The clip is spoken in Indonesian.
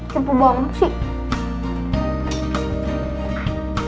cepet banget sih